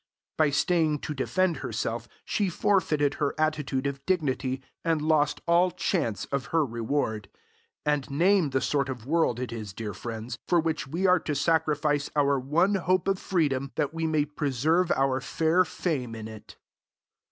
By staying to defend herself she forfeited her attitude of dignity and lost all chance of her reward. And name the sort of world it is, dear friends, for which we are to sacrifice our one hope of freedom, that we may preserve our fair fame in it!